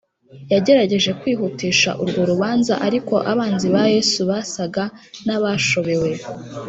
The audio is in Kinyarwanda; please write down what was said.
yagerageje kwihutisha urwo rubanza ariko abanzi ba yesu basaga n’abashobewe